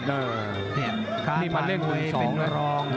นี่มันเล่นคุณสองด้วย